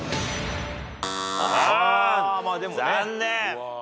残念。